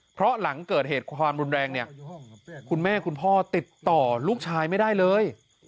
เพราะหลังเกิดเหตุความรุนแรงเนี่ยคุณแม่คุณพ่อติดต่อลูกชายไม่ได้เลย